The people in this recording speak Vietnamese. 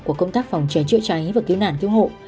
của công tác phòng cháy giữa cháy và kiếm nản kêu hộ